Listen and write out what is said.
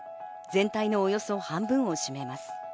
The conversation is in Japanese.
全体のおよそ半分を占めます。